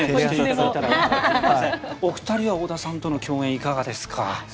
お二人は織田さんとの共演はいかがですか。